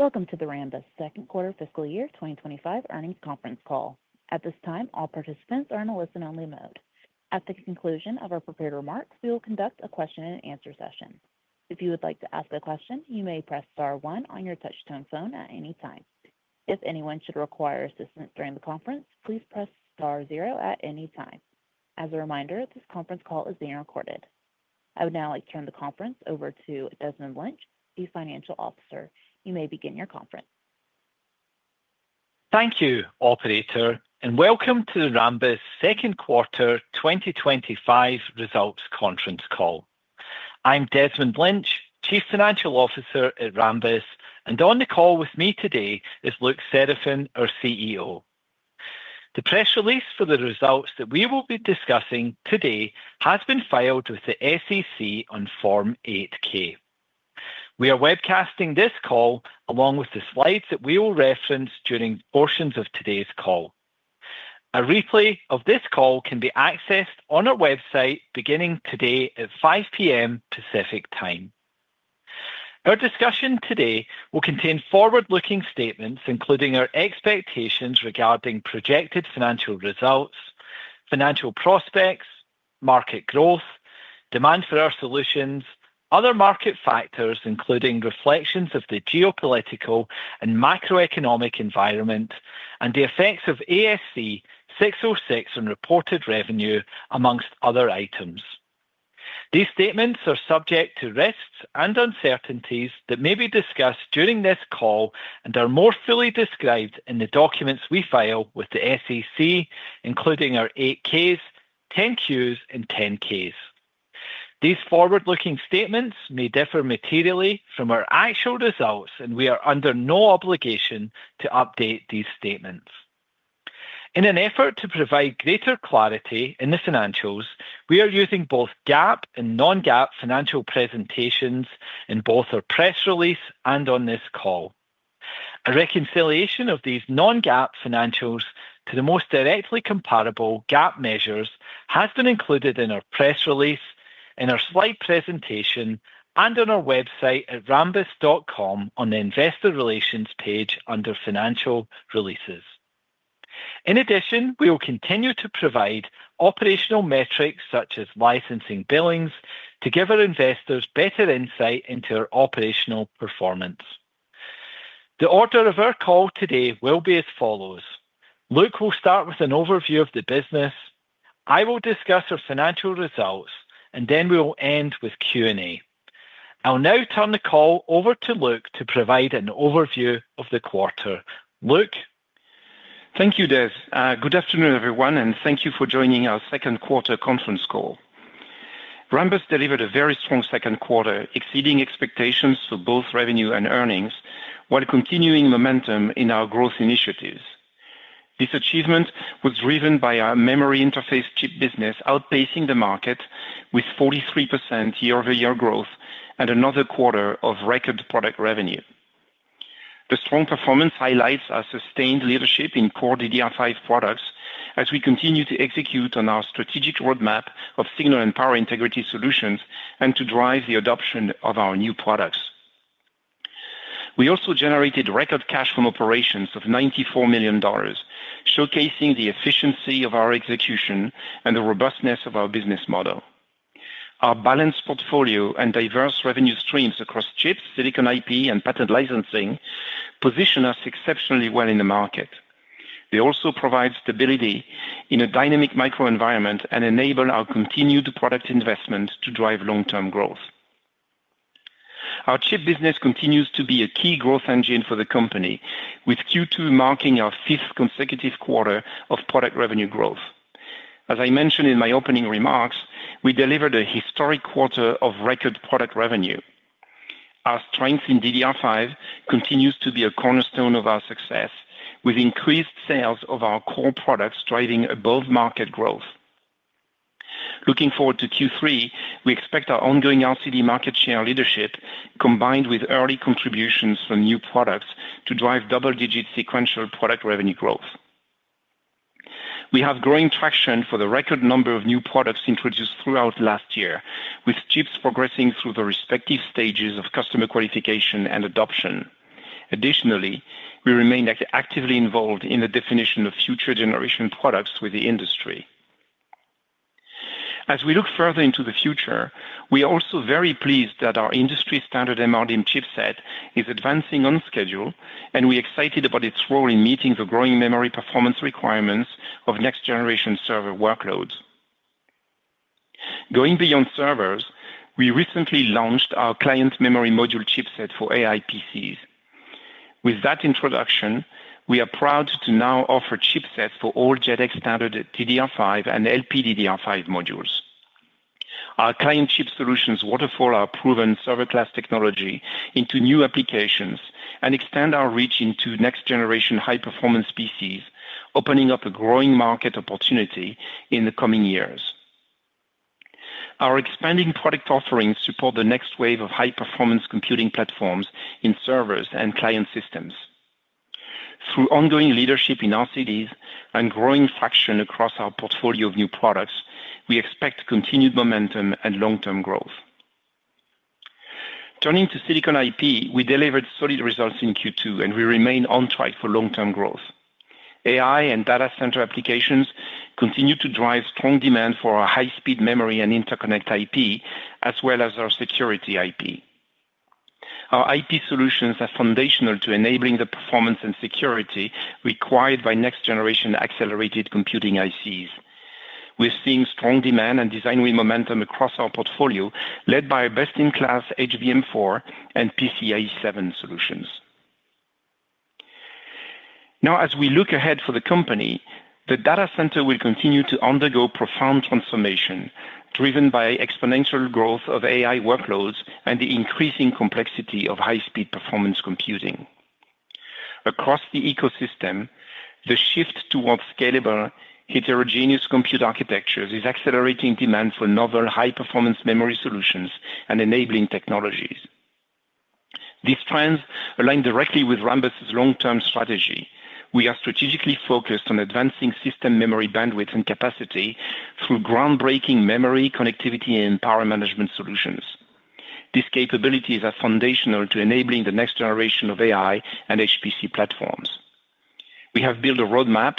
Welcome to Rambus second quarter fiscal year 2025 earnings conference call. At this time, all participants are in a listen-only mode. At the conclusion of our prepared remarks, we will conduct a question-and-answer session. If you would like to ask a question, you may press star one on your touch-tone phone at any time. If anyone should require assistance during the conference, please press star zero at any time. As a reminder, this conference call is being recorded. I would now like to turn the conference over to Desmond Lynch, the Chief Financial Officer. You may begin your conference. Thank you, operator, and welcome to the Rambus second quarter 2025 results conference call. I'm Desmond Lynch, Chief Financial Officer at Rambus, and on the call with me today is Luc Seraphin, our CEO. The press release for the results that we will be discussing today has been filed with the SEC on Form 8-K. We are webcasting this call along with the slides that we will reference during portions of today's call. A replay of this call can be accessed on our website beginning today at 5:00 P.M. Pacific Time. Our discussion today will contain forward-looking statements including our expectations regarding projected financial results, financial prospects, market growth, demand for our solutions, other market factors including reflections of the geopolitical and macroeconomic environment, and the effects of ASC 606 on reported revenue, amongst other items. These statements are subject to risks and uncertainties that may be discussed during this call and are more fully described in the documents we file with the SEC, including our 8-Ks, 10-Qs, and 10-Ks. These forward-looking statements may differ materially from our actual results, and we are under no obligation to update these statements. In an effort to provide greater clarity in the financials, we are using both GAAP and non-GAAP financial presentations in both our press release and on this call. A reconciliation of these non-GAAP financials to the most directly comparable GAAP measures has been included in our press release, in our slide presentation, and on our website at rambus.com on the Investor Relations page under Financial Releases. In addition, we will continue to provide operational metrics such as licensing billings to give our investors better insight into our operational performance. The order of our call today will be as follows: Luc will start with an overview of the business, I will discuss our financial results, and then we will end with Q&A. I will now turn the call over to Luc to provide an overview of the quarter. Luc? Thank you, Des; good afternoon, everyone, and thank you for joining our second quarter conference call. Rambus delivered a very strong second quarter, exceeding expectations for both revenue and earnings, while continuing momentum in our growth initiatives. This achievement was driven by our memory interface chip business outpacing the market with 43% year-over-year growth and another quarter of record product revenue. The strong performance highlights our sustained leadership in core DDR5 products as we continue to execute on our strategic roadmap of signal and power integrity solutions and to drive the adoption of our new products. We also generated record cash flow operations of $94 million, showcasing the efficiency of our execution and the robustness of our business model. Our balanced portfolio and diverse revenue streams across chips, silicon IP, and patent licensing position us exceptionally well in the market. They also provide stability in a dynamic microenvironment and enable our continued product investment to drive long-term growth. Our chip business continues to be a key growth engine for the company, with Q2 marking our fifth consecutive quarter of product revenue growth. As I mentioned in my opening remarks, we delivered a historic quarter of record product revenue. Our strength in DDR5 continues to be a cornerstone of our success, with increased sales of our core products driving above-market growth. Looking forward to Q3, we expect our ongoing RCD market share leadership, combined with early contributions from new products, to drive double-digit sequential product revenue growth. We have growing traction for the record number of new products introduced throughout last year, with chips progressing through the respective stages of customer qualification and adoption. Additionally, we remain actively involved in the definition of future generation products with the industry. As we look further into the future, we are also very pleased that our industry-standard MRDIMM 12800 chipset is advancing on schedule, and we are excited about its role in meeting the growing memory performance requirements of next-generation server workloads. Going beyond servers, we recently launched our client memory module chipset for AI PCs. With that introduction, we are proud to now offer chipsets for all JEDEC standard DDR5 and LPDDR5 modules. Our client chip solutions waterfall our proven server-class technology into new applications and extend our reach into next-generation high-performance PCs, opening up a growing market opportunity in the coming years. Our expanding product offerings support the next wave of high-performance computing platforms in servers and client systems. Through ongoing leadership in RCDs and growing traction across our portfolio of new products, we expect continued momentum and long-term growth. Turning to silicon IP, we delivered solid results in Q2, and we remain on track for long-term growth. AI and data center applications continue to drive strong demand for our high-speed memory and interconnect IP, as well as our security IP. Our IP solutions are foundational to enabling the performance and security required by next-generation accelerated computing ICs. We're seeing strong demand and design-win momentum across our portfolio, led by our best-in-class HBM4 and PCIe 7 solutions. Now, as we look ahead for the company, the data center will continue to undergo profound transformation, driven by exponential growth of AI workloads and the increasing complexity of high-speed performance computing. Across the ecosystem, the shift towards scalable, heterogeneous compute architectures is accelerating demand for novel high-performance memory solutions and enabling technologies. These trends align directly with Rambus's long-term strategy. We are strategically focused on advancing system memory bandwidth and capacity through groundbreaking memory connectivity and power management solutions. These capabilities are foundational to enabling the next generation of AI and HPC platforms. We have built a roadmap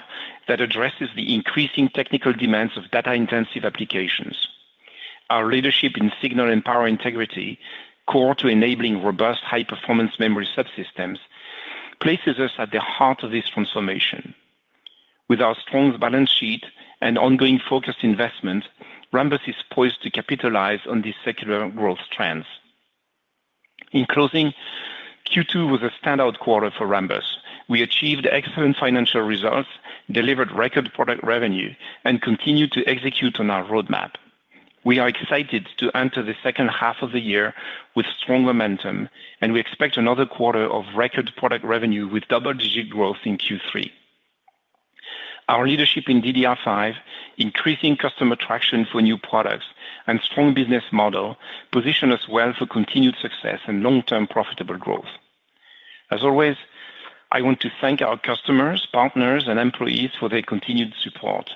that addresses the increasing technical demands of data-intensive applications. Our leadership in signal and power integrity, core to enabling robust high-performance memory subsystems, places us at the heart of this transformation. With our strong balance sheet and ongoing focused investment, Rambus is poised to capitalize on these secular growth trends. In closing, Q2 was a standout quarter for Rambus. We achieved excellent financial results, delivered record product revenue, and continued to execute on our roadmap. We are excited to enter the second half of the year with strong momentum, and we expect another quarter of record product revenue with double-digit growth in Q3. Our leadership in DDR5, increasing customer traction for new products, and strong business model position us well for continued success and long-term profitable growth. I want to thank our customers, partners, and employees for their continued support.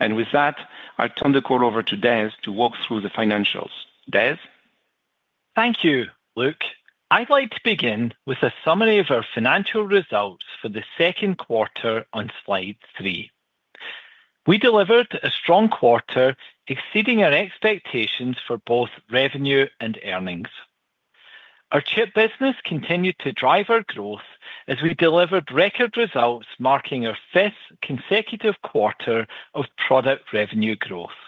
With that, I'll turn the call over to Des to walk through the financials. Des? Thank you, Luc. I'd like to begin with a summary of our financial results for the second quarter on slide three. We delivered a strong quarter, exceeding our expectations for both revenue and earnings. Our chip business continued to drive our growth as we delivered record results, marking our fifth consecutive quarter of product revenue growth.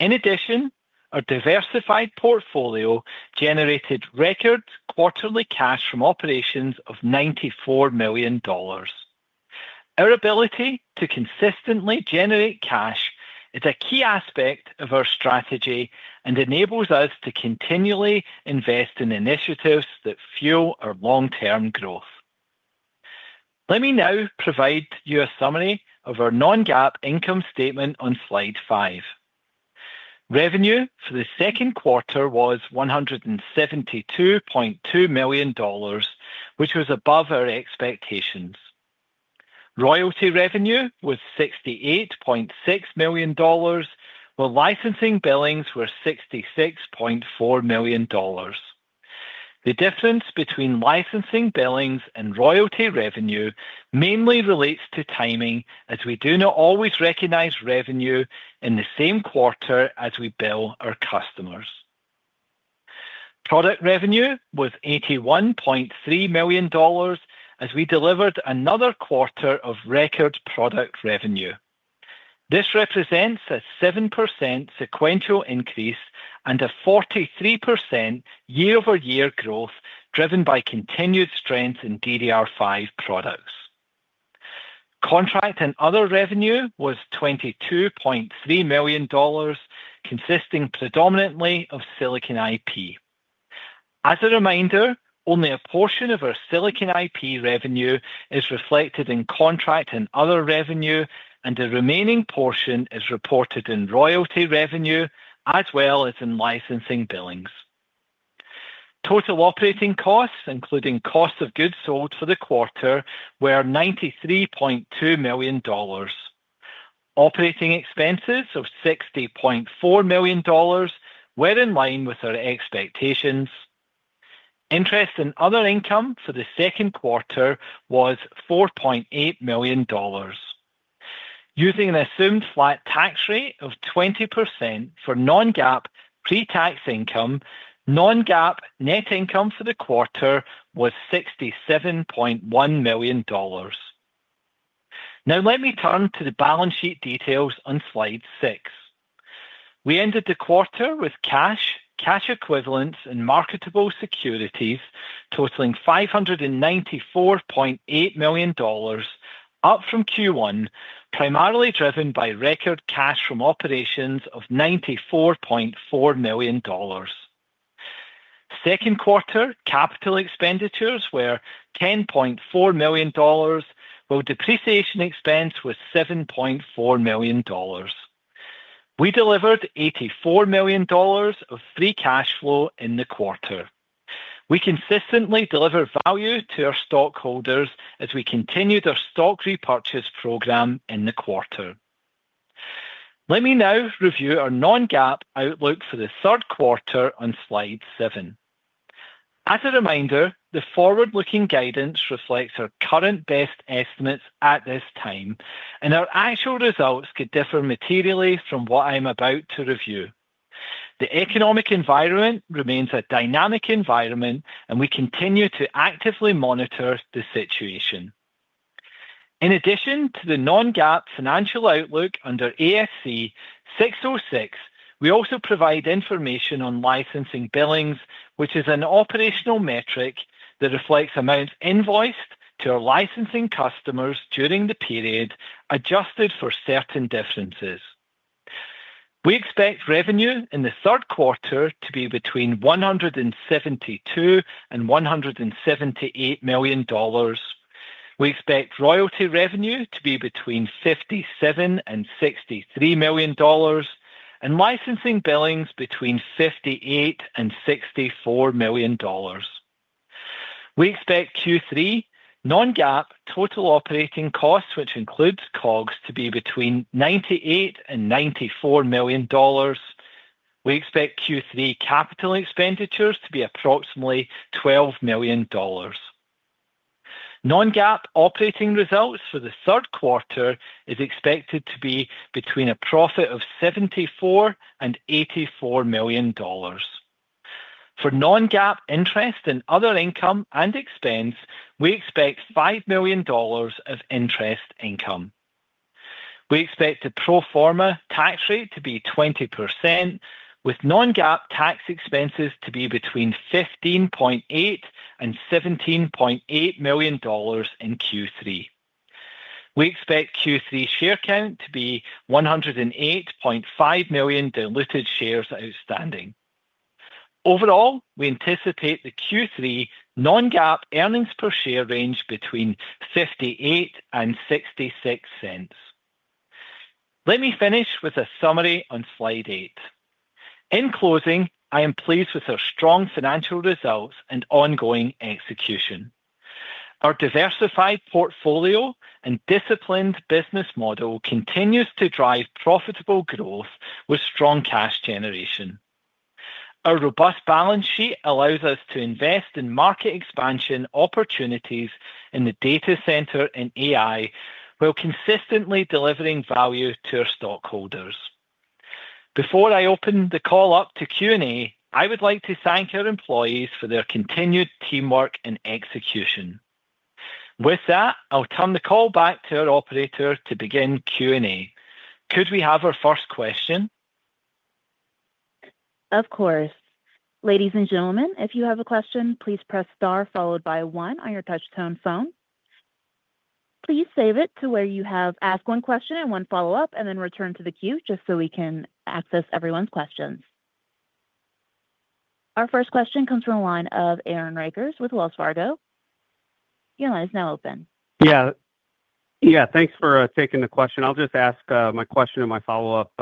In addition, our diversified portfolio generated record quarterly cash from operations of $94 million. Our ability to consistently generate cash is a key aspect of our strategy and enables us to continually invest in initiatives that fuel our long-term growth. Let me now provide you a summary of our non-GAAP income statement on slide five. Revenue for the second quarter was $172.2 million, which was above our expectations. Royalty revenue was $68.6 million, while licensing billings were $66.4 million. The difference between licensing billings and royalty revenue mainly relates to timing, as we do not always recognize revenue in the same quarter as we bill our customers. Product revenue was $81.3 million, as we delivered another quarter of record product revenue. This represents a 7% sequential increase and a 43% year-over-year growth driven by continued strength in DDR5 products. Contract and other revenue was $22.3 million, consisting predominantly of silicon IP. As a reminder, only a portion of our silicon IP revenue is reflected in contract and other revenue, and the remaining portion is reported in royalty revenue, as well as in licensing billings. Total operating costs, including cost of goods sold for the quarter, were $93.2 million. Operating expenses of $60.4 million were in line with our expectations. Interest and other income for the second quarter was $4.8 million. Using an assumed flat tax rate of 20% for non-GAAP pre-tax income, non-GAAP net income for the quarter was $67.1 million. Now, let me turn to the balance sheet details on slide six. We ended the quarter with cash, cash equivalents, and marketable securities totaling $594.8 million, up from Q1, primarily driven by record cash from operations of $94.4 million. SSecond-quartercapital expenditures were $10.4 million, while depreciation expense was $7.4 million. We delivered $84 million of free cash flow in the quarter. We consistently delivered value to our stockholders as we continued our stock repurchase program in the quarter. Let me now review our non-GAAP outlook for the third quarter on slide seven. As a reminder, the forward-looking guidance reflects our current best estimates at this time, and our actual results could differ materially from what I'm about to review. The economic environment remains a dynamic environment, and we continue to actively monitor the situation. In addition to the non-GAAP financial outlook under ASC 606, we also provide information on licensing billings, which is an operational metric that reflects amounts invoiced to our licensing customers during the period, adjusted for certain differences. We expect revenue in the third quarter to be between $172 million and $178 million. We expect royalty revenue to be between $57 million and $63 million, and licensing billings between $58 million and $64 million. We expect Q3 non-GAAP total operating costs, which includes COGS, to be between $94 million and $98 million. We expect Q3 capital expenditures to be approximately $12 million. Non-GAAP operating results for the third quarter are expected to be between a profit of $74 million and $84 million. For non-GAAP interest and other income and expense, we expect $5 million of interest income. We expect the pro forma tax rate to be 20%, with non-GAAP tax expenses to be between $15.8 million and $17.8 million in Q3. We expect Q3 share count to be 108.5 million diluted shares outstanding. Overall, we anticipate the Q3 non-GAAP earnings per share range between $0.58 and $0.66. Let me finish with a summary on slide eight. In closing, I am pleased with our strong financial results and ongoing execution. Our diversified portfolio and disciplined business model continues to drive profitable growth with strong cash generation. Our robust balance sheet allows us to invest in market expansion opportunities in the data center and AI, while consistently delivering value to our stockholders. Before I open the call up to Q&A, I would like to thank our employees for their continued teamwork and execution. With that, I'll turn the call back to our operator to begin Q&A. Could we have our first question? Of course. Ladies and gentlemen, if you have a question, please press star followed by one on your touch-tone phone. Please save it to where you have ask one question and one follow-up, and then return to the queue just so we can access everyone's questions. Our first question comes from a line of Aaron Rakers with Wells Fargo. The line is now open. Yeah, thanks for taking the question. I'll just ask my question and my follow-up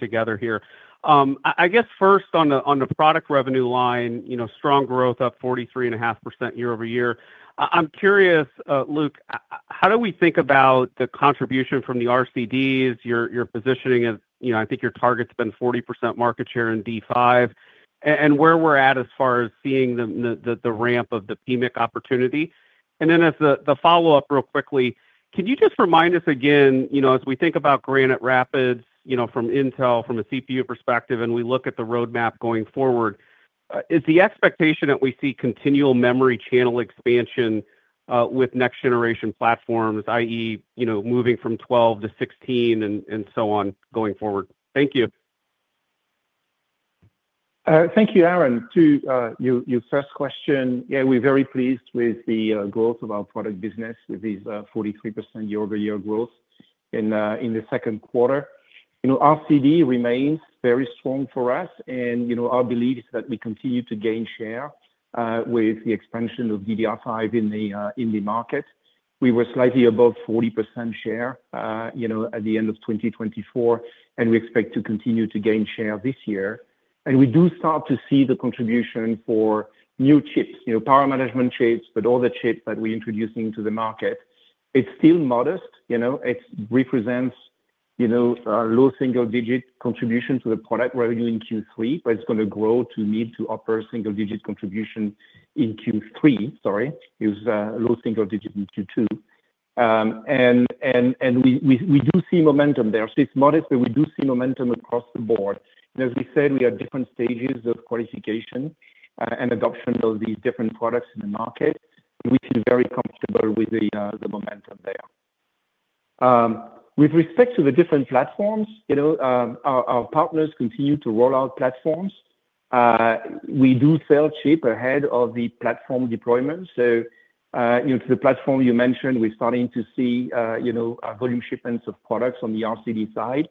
together here. I guess first on the product revenue line, strong growth up 43.5% year-over-year. I'm curious, Luc, how do we think about the contribution from the RCDs, your positioning as, you know, I think your target's been 40% market share in DDR5, and where we're at as far as seeing the ramp of the PMIC opportunity. As the follow-up real quickly, can you just remind us again, as we think about Granite Rapids, from Intel, from a CPU perspective, and we look at the roadmap going forward, is the expectation that we see continual memory channel expansion with next-generation platforms, i.e., moving from 12 to 16 and so on going forward? Thank you. Thank you, Aaron. To your first question, yeah, we're very pleased with the growth of our product business with this 43% year-over-year growth in the second quarter. RCD remains very strong for us, and our belief is that we continue to gain share with the expansion of DDR5 in the market. We were slightly above 40% share at the end of 2024, and we expect to continue to gain share this year. We do start to see the contribution for new chips, power management chips, but all the chips that we're introducing to the market. It's still modest, it represents a low single-digit contribution to the product revenue in Q3, but it's going to grow to meet the upper single-digit contribution in Q3, sorry, it was a low single-digit in Q2. We do see momentum there. It's modest, but we do see momentum across the board. As we said, we have different stages of qualification and adoption of these different products in the market, and we feel very comfortable with the momentum there. With respect to the different platforms, our partners continue to roll out platforms. We do sell chip ahead of the platform deployment. To the platform you mentioned, we're starting to see volume shipments of products on the RCD side.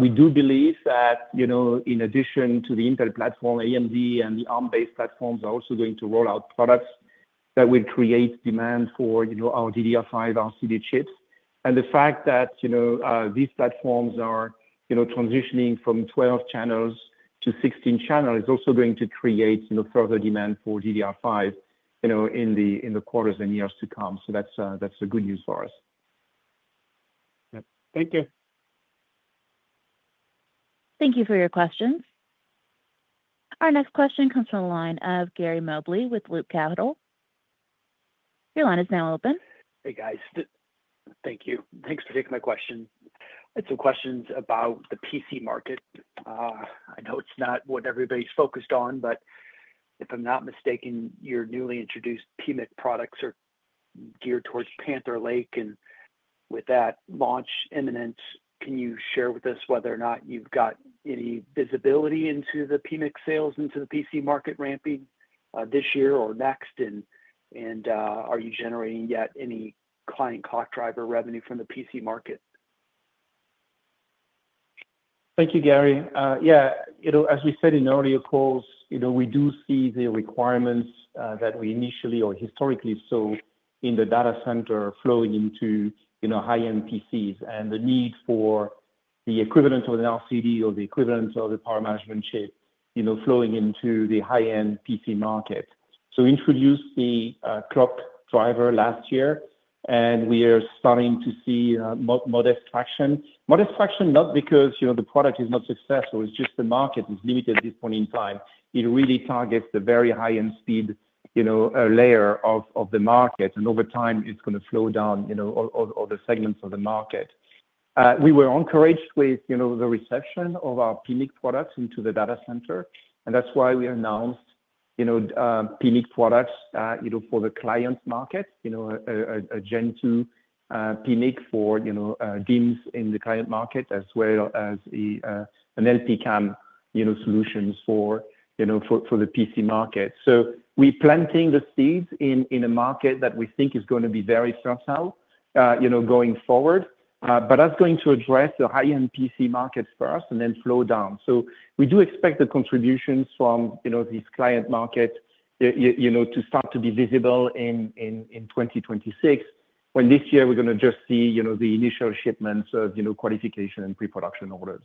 We do believe that, in addition to the Intel platform, AMD and the ARM-based platforms are also going to roll out products that will create demand for our DDR5 RCD chips. The fact that these platforms are transitioning from 12 channels to 16 channels is also going to create further demand for DDR5 in the quarters and years to come. That's good news for us. Thank you. Thank you for your questions. Our next question comes from a line of Gary Mobley with Loop Capital. Your line is now open. Hey, guys. Thank you. Thanks for taking my question. I had some questions about the PC market. I know it's not what everybody's focused on, but if I'm not mistaken, your newly introduced power management IC products are geared towards Panther Lake, and with that launch imminent, can you share with us whether or not you've got any visibility into the power management IC sales into the PC market ramping this year or next? Are you generating yet any client clock driver revenue from the PC market? Thank you, Gary. As we said in earlier calls, we do see the requirements that we initially or historically saw in the data center flowing into high-end PCs and the need for the equivalent of an RCD or the equivalent of a power management chip flowing into the high-end PC market. We introduced the clock driver last year, and we are starting to see modest traction. Modest traction, not because the product is not successful. It's just the market is limited at this point in time. It really targets the very high-end speed layer of the market, and over time, it's going to flow down all the segments of the market. We were encouraged with the reception of our PMIC products into the data center, and that's why we announced PMIC products for the client market, a Gen 2 PMIC for DIMMs in the client market, as well as an LPCAM solutions for the PC market. We're planting the seeds in a market that we think is going to be very fertile going forward. That's going to address the high-end PC markets first and then flow down. We do expect the contributions from these client markets to start to be visible in 2026, when this year we're going to just see the initial shipments of qualification and pre-production orders.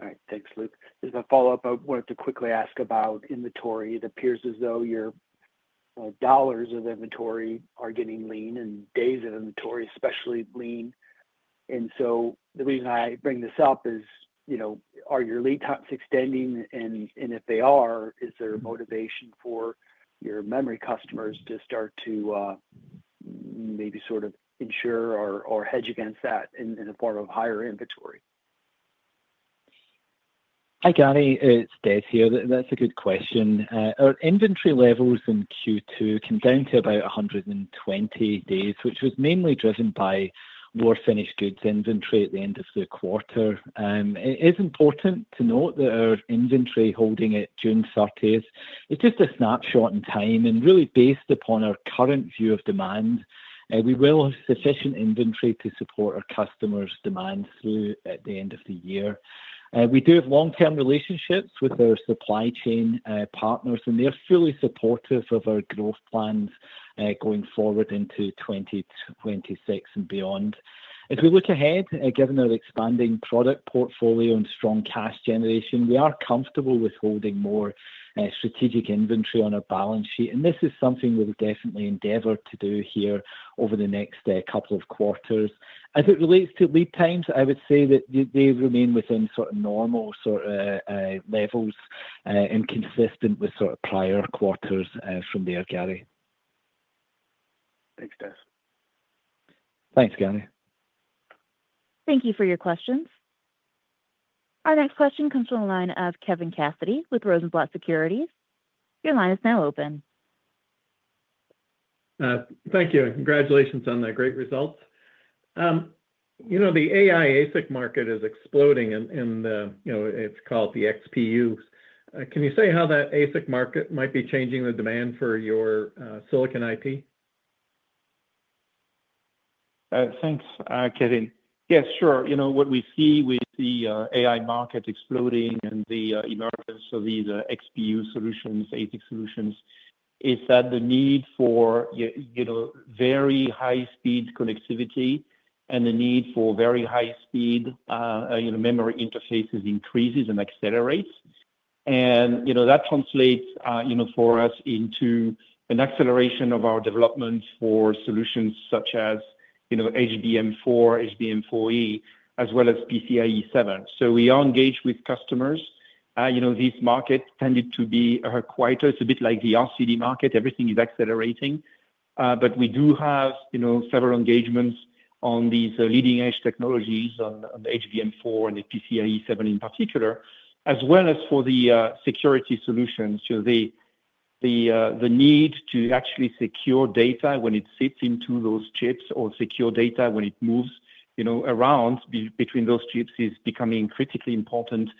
All right. Thanks, Luc. As a follow-up, I wanted to quickly ask about inventory. It appears as though your dollars of inventory are getting lean and days of inventory especially lean. The reason I bring this up is, you know, are your lead times extending? If they are, is there a motivation for your memory customers to start to maybe sort of insure or hedge against that in the form of higher inventory? Hi, Gary. It's Des here. That's a good question. Our inventory levels in Q2 came down to about 120 days, which was mainly driven by finished goods inventory at the end of the quarter. It is important to note that our inventory holding at June 30 is just a snapshot in time, and really based upon our current view of demand, we will have sufficient inventory to support our customers' demand through at the end of the year. We do have long-term relationships with our supply chain partners, and they're fully supportive of our growth plans going forward into 2026 and beyond. As we look ahead, given our expanding product portfolio and strong cash generation, we are comfortable with holding more strategic inventory on our balance sheet, and this is something we'll definitely endeavor to do here over the next couple of quarters. As it relates to lead times, I would say that they remain within normal levels and consistent with prior quarters from there, Gary. Thanks, Des. Thanks, Gary. Thank you for your questions. Our next question comes from a line of Kevin Cassidy with Rosenblatt Securities. Your line is now open. Thank you. Congratulations on the great results. You know, the AI ASIC market is exploding in the, you know, it's called the XPUs. Can you say how that ASIC market might be changing the demand for your silicon IP? Thanks, Kevin. Yeah, sure. What we see with the AI market exploding and the emergence of these XPU solutions, ASIC solutions, is that the need for very high-speed connectivity and the need for very high-speed memory interfaces increases and accelerates. That translates for us into an acceleration of our development for solutions such as HBM4, HBM4e, as well as PCIe 7. We are engaged with customers. This market tended to be quite a bit like the RCD market. Everything is accelerating. We do have several engagements on these leading-edge technologies, on HBM4 and the PCIe 7 in particular, as well as for the security solutions. The need to actually secure data when it sits into those chips or secure data when it moves around between those chips is becoming critically important.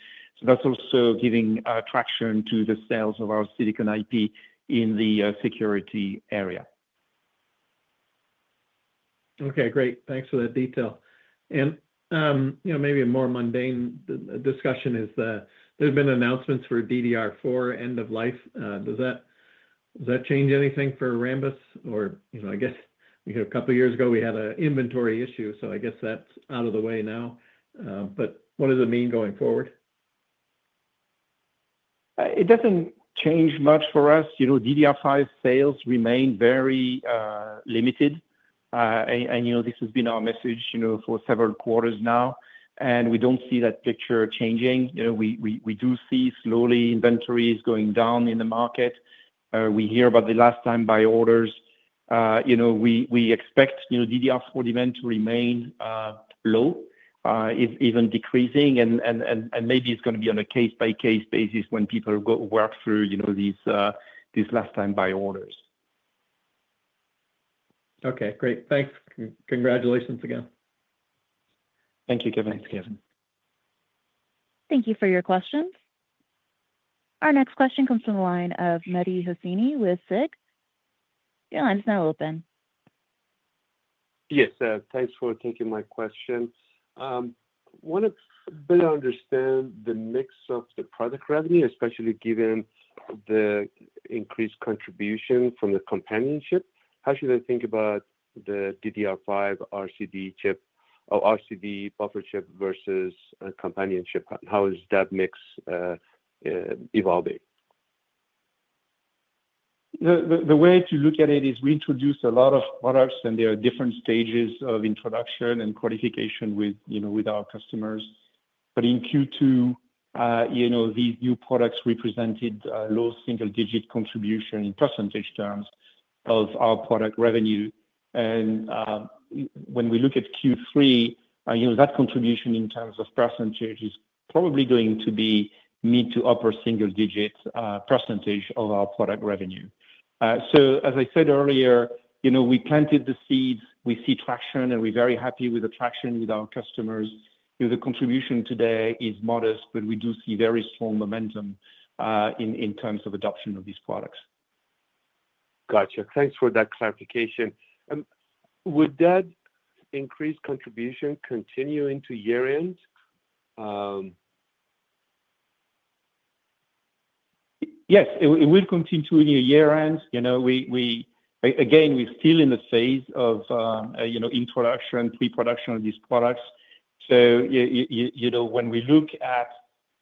That's also giving traction to the sales of our silicon IP in the security area. Okay. Great. Thanks for that detail. Maybe a more mundane discussion is that there have been announcements for DDR4 end-of-life. Does that change anything for Rambus? I guess we had a couple of years ago, we had an inventory issue, so I guess that's out of the way now. What does it mean going forward? It doesn't change much for us. DDR5 sales remain very limited. This has been our message for several quarters now, and we don't see that picture changing. We do see inventories slowly going down in the market. We hear about the last-time buy orders. We expect DDR4 demand to remain low, if even decreasing, and maybe it's going to be on a case-by-case basis when people work through these last-time buy orders. Okay. Great. Thanks. Congratulations again. Thank you, Kevin. Thanks, Kevin. Thank you for your questions. Our next question comes from a line of Mehdi Hosseini with SIG. Your line is now open. Yes. Thanks for taking my question. I want to better understand the mix of the product revenue, especially given the increased contribution from the companion chip. How should I think about the DDR5 RCD chip or RCD buffer chip versus a companion chip? How is that mix evolving? The way to look at it is we introduced a lot of products, and there are different stages of introduction and qualification with our customers. In Q2, these new products represented low single-digit contribution in % terms of our product revenue. When we look at Q3, that contribution in terms of percent is probably going to be mid to upper single-digit % of our product revenue. As I said earlier, we planted the seeds. We see traction, and we're very happy with the traction with our customers. The contribution today is modest, but we do see very strong momentum in terms of adoption of these products. Gotcha. Thanks for that clarification. Would that increased contribution continue into year-end? Yes, it will continue to a new year-end. We're still in the phase of introduction, pre-production of these products. When we look at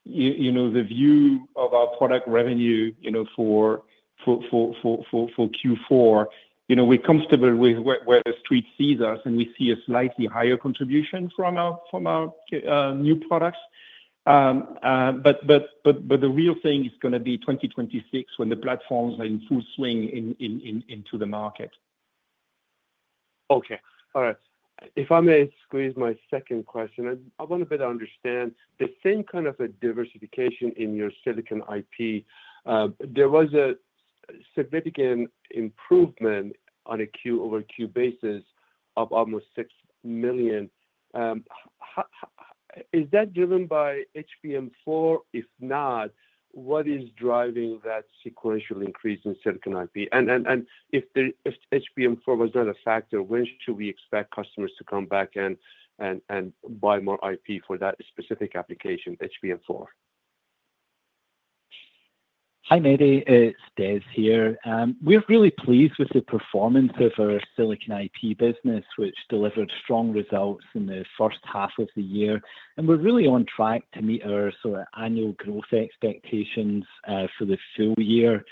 the view of our product revenue for Q4, we're comfortable with where the street sees us, and we see a slightly higher contribution from our new products. The real thing is going to be 2026 when the platforms are in full swing into the market. Okay. If I may squeeze my second question, I want to better understand the same kind of a diversification in your silicon IP. There was a significant improvement on a QoQ basis of almost $6 million. Is that driven by HBM4? If not, what is driving that sequential increase in silicon IP? If HBM4 was not a factor, when should we expect customers to come back and buy more IP for that specific application, HBM4? Hi, Mehdi. It's Des here. We're really pleased with the performance of our silicon IP business, which delivered strong results in the first half of the year. We're really on track to meet our sort of annual growth expectations for the full year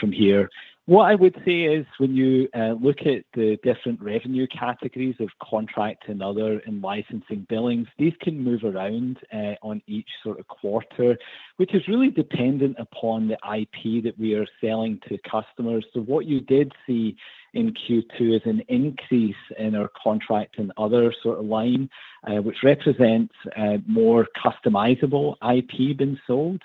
from here. What I would say is when you look at the different revenue categories of contract and other and licensing billings, these can move around on each sort of quarter, which is really dependent upon the IP that we are selling to customers. What you did see in Q2 is an increase in our contract and other sort of line, which represents more customizable IP being sold.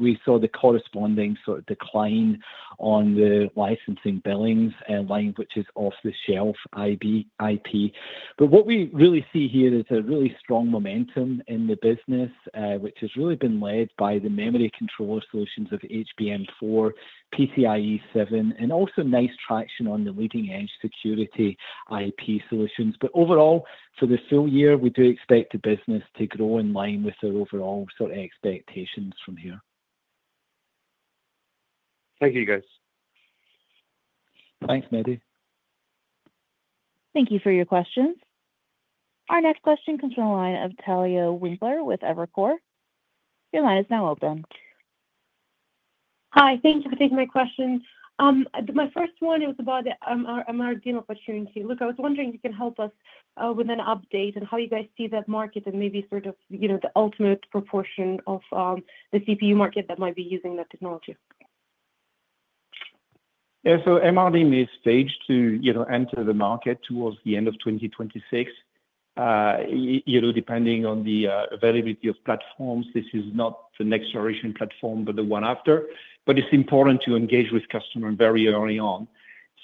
We saw the corresponding sort of decline on the licensing billings line, which is off-the-shelf IP. What we really see here is a really strong momentum in the business, which has really been led by the memory controller solutions of HBM4, PCIe 7, and also nice traction on the leading-edge security IP solutions. Overall, for the full year, we do expect the business to grow in line with our overall sort of expectations from here. Thank you, guys. Thanks, Mehdi. Thank you for your questions. Our next question comes from a line of Natalia Winkler with Evercore. Your line is now open. Hi. Thank you for taking my question. My first one, it was about the MRDIMM opportunity. Luc, I was wondering if you can help us with an update on how you guys see that market and maybe sort of, you know, the ultimate proportion of the CPU market that might be using that technology. Yeah. MRDIMM is staged to enter the market towards the end of 2026. Depending on the availability of platforms, this is not the next-generation platform, but the one after. It's important to engage with customers very early on.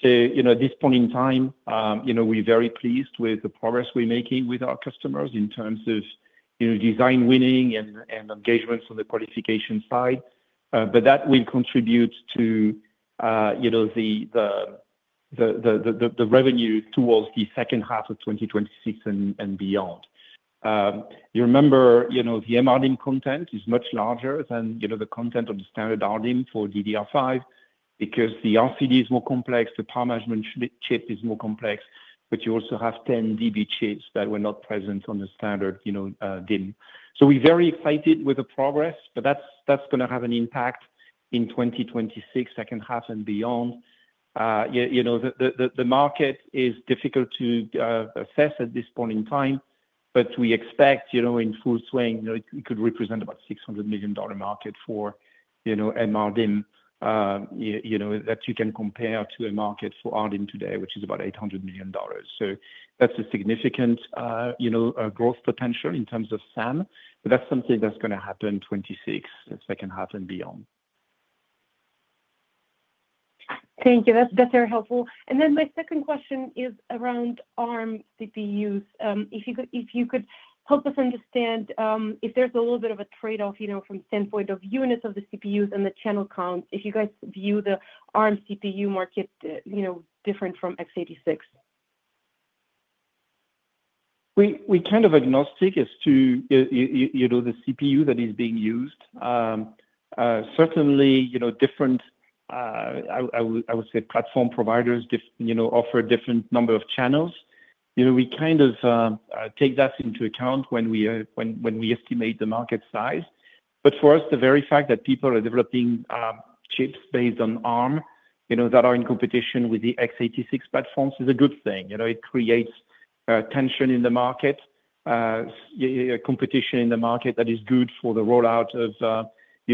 At this point in time, we're very pleased with the progress we're making with our customers in terms of design winning and engagements on the qualification side. That will contribute to the revenue towards the second half of 2026 and beyond. You remember, the MRDIMM content is much larger than the content of the standard RDIMM for DDR5 because the RCD is more complex, the power management chip is more complex, but you also have 10 DB chips that were not present on the standard DIMM. We're very excited with the progress, but that's going to have an impact in 2026, second half, and beyond. The market is difficult to assess at this point in time, but we expect in full swing it could represent about a $600 million market for MRDIMM, that you can compare to a market for RDIMM today, which is about $800 million. That's a significant growth potential in terms of SAM. That's something that's going to happen in 2026, the second half and beyond. Thank you. That's very helpful. My second question is around ARM CPUs. If you could help us understand if there's a little bit of a trade-off, you know, from the standpoint of units of the CPUs and the channel count, if you guys view the ARM CPU market different from x86. We're kind of agnostic as to, you know, the CPU that is being used. Certainly, you know, different, I would say, platform providers offer a different number of channels. We kind of take that into account when we estimate the market size. For us, the very fact that people are developing chips based on ARM that are in competition with the x86 platforms is a good thing. It creates tension in the market, a competition in the market that is good for the rollout of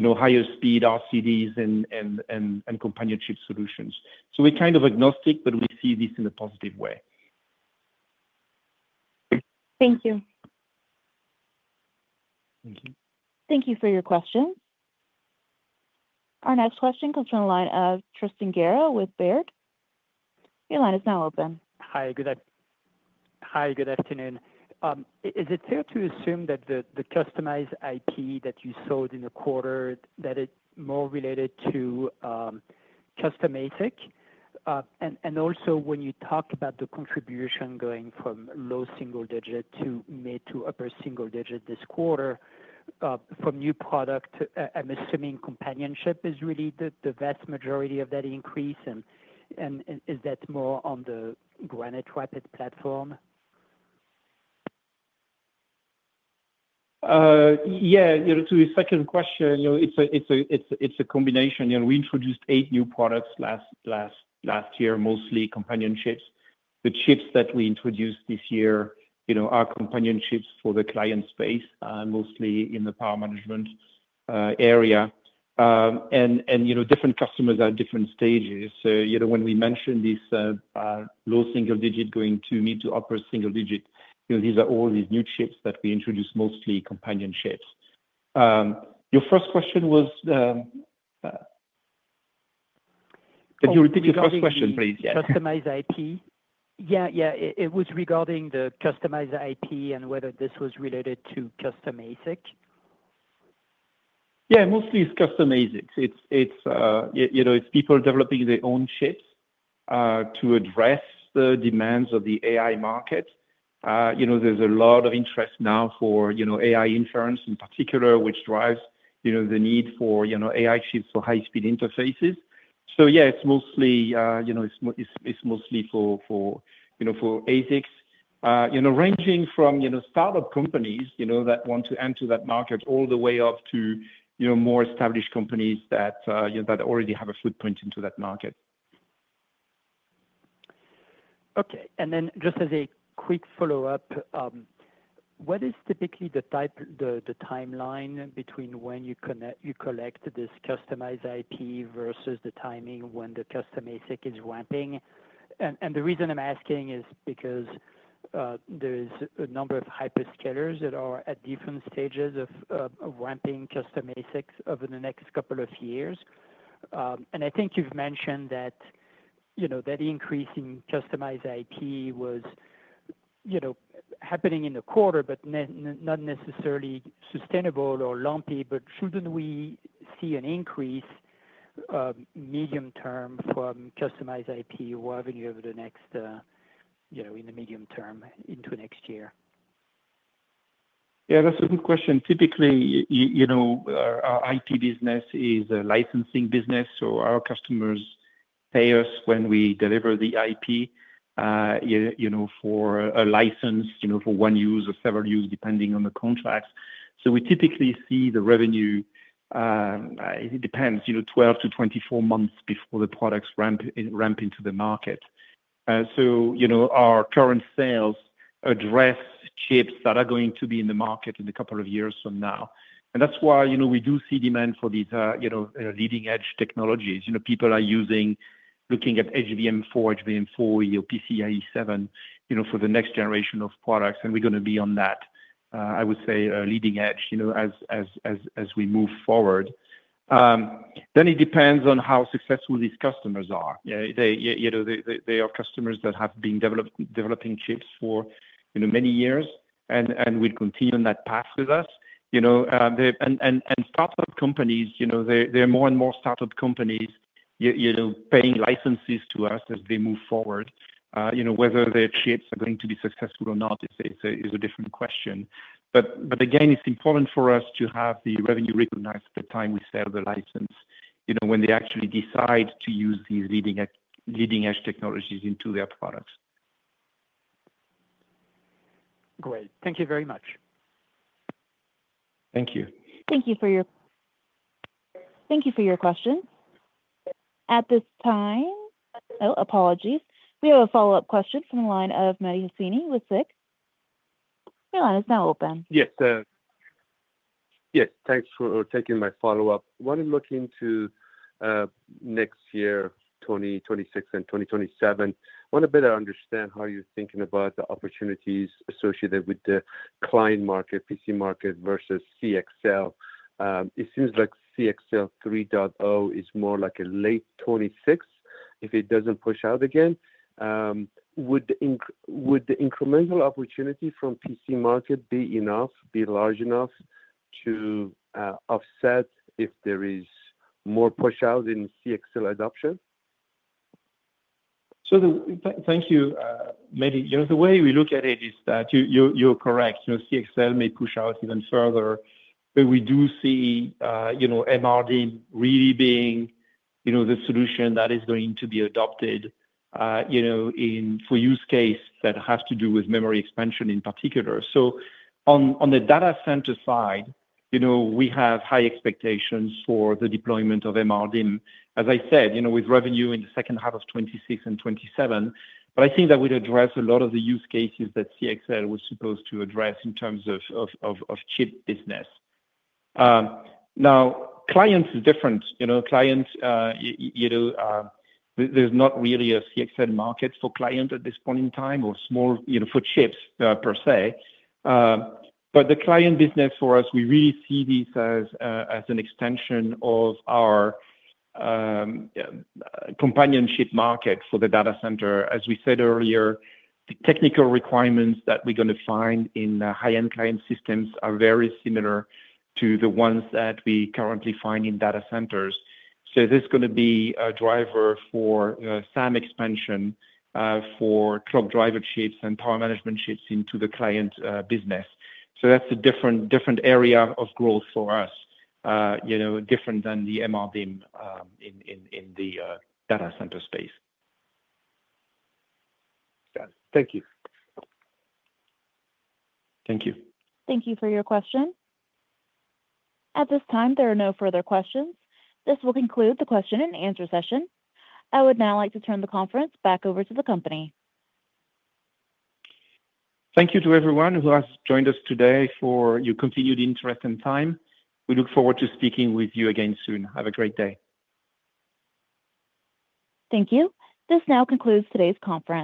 higher-speed RCDs and companion chip solutions. We're kind of agnostic, but we see this in a positive way. Thank you. Thank you. Thank you for your questions. Our next question comes from a line of Tristan Gerra with Baird. Your line is now open. Hi. Good afternoon. Is it fair to assume that the customized IP that you sold in the quarter, that it's more related to custom ASIC? Also, when you talk about the contribution going from low single-digit to mid to upper single-digit this quarter, from new product, I'm assuming companionship is really the vast majority of that increase. Is that more on the Granite Rapids platform? Yeah. To your second question, it's a combination. We introduced eight new products last year, mostly companion chips. The chips that we introduced this year are companion chips for the client space, mostly in the power management area. Different customers are at different stages. When we mentioned this low single-digit going to mid to upper single-digit, these are all these new chips that we introduced, mostly companion chips. Your first question was could you repeat your first question, please? Customized IP? Yeah, yeah. It was regarding the customized IP and whether this was related to custom ASIC. Yeah, mostly it's custom ASIC. It's people developing their own chips to address the demands of the AI market. There's a lot of interest now for AI inference in particular, which drives the need for AI chips for high-speed interfaces. It's mostly for ASICs, ranging from startup companies that want to enter that market all the way up to more established companies that already have a footprint into that market. Okay. Just as a quick follow-up, what is typically the timeline between when you collect this customized IP versus the timing when the custom ASIC is ramping? The reason I'm asking is because there is a number of hyperscalers that are at different stages of ramping custom ASICs over the next couple of years. I think you've mentioned that increase in customized IP was happening in the quarter, but not necessarily sustainable or lumpy. Shouldn't we see an increase medium-term from customized IP revenue over the next, you know, in the medium term into next year? Yeah, that's a good question. Typically, you know, our IP business is a licensing business, so our customers pay us when we deliver the IP, you know, for a license, you know, for one use or several use, depending on the contracts. We typically see the revenue, it depends, you know, 12 months-24 months before the products ramp into the market. Our current sales address chips that are going to be in the market in a couple of years from now. That's why, you know, we do see demand for these, you know, leading-edge technologies. People are using, looking at HBM4, HBM4e, or PCIe 7, you know, for the next generation of products. We're going to be on that, I would say, leading edge, you know, as we move forward. It depends on how successful these customers are. They are customers that have been developing chips for, you know, many years and will continue on that path with us. Startup companies, you know, there are more and more startup companies, you know, paying licenses to us as they move forward. Whether their chips are going to be successful or not is a different question. Again, it's important for us to have the revenue recognized at the time we sell the license, you know, when they actually decide to use these leading-edge technologies into their products. Great. Thank you very much. Thank you. Thank you for your questions. At this time, apologies. We have a follow-up question from Mehdi Hosseini with SIG. Your line is now open. Yes. Yes. Thanks for taking my follow-up. When I'm looking to next year, 2026 and 2027, I want to better understand how you're thinking about the opportunities associated with the client market, PC market versus CXL. It seems like CXL 3.0 is more like a late 2026 if it doesn't push out again. Would the incremental opportunity from the PC market be enough, be large enough to offset if there is more push-out in CXL adoption? Thank you, Mehdi. The way we look at it is that you're correct. CXL may push out even further, but we do see MRDIMM really being the solution that is going to be adopted for use case that has to do with memory expansion in particular. On the data center side, we have high expectations for the deployment of MRDIMM, as I said, with revenue in the second half of 2026 and 2027. I think that would address a lot of the use cases that CXL was supposed to address in terms of chip business. Now, clients are different. Clients, there's not really a CXL market for clients at this point in time or small for chips per se. The client business for us, we really see this as an extension of our companionship market for the data center. As we said earlier, the technical requirements that we're going to find in high-end client systems are very similar to the ones that we currently find in data centers. This is going to be a driver for SAN expansion for clock driver chips and power management chips into the client business. That's a different area of growth for us, different than the MRDIMM in the data center space. Got it. Thank you. Thank you. Thank you for your question. At this time, there are no further questions. This will conclude the question and answer session. I would now like to turn the conference back over to the company. Thank you to everyone who has joined us today for your continued interest and time. We look forward to speaking with you again soon. Have a great day. Thank you. This now concludes today's conference.